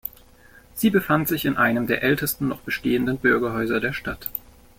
Sie befand sich in einem der ältesten noch bestehenden Bürgerhäuser der Stadt.